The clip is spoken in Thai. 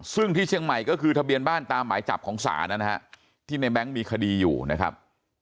ซึ่งที่เชียงใหม่ก็คือทะเบียนบ้านตามหมายจับของศาลนะฮะที่ในแบงค์มีคดีอยู่นะครับ